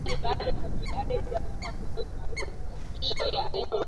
mkulima anaweza kutumia dhana katika uvunaji wa viazi lishe